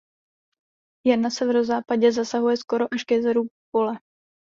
Jen na severozápadě zasahuje skoro až k jezeru pole.